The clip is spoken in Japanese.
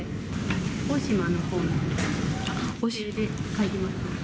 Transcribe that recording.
大島のほうに帰省で帰ります。